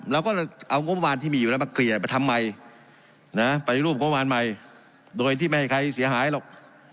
เราก็เอางบวานที่มีอยู่แล้วมาเกลี่ยไปทำใหม่นะไปรูปงบประมาณใหม่โดยที่ไม่ให้ใครเสียหายหรอก